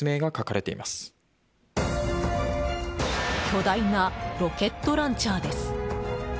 巨大なロケットランチャーです。